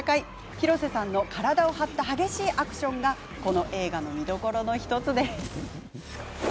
広瀬さんの体を張った激しいアクションがこの映画の見どころの１つです。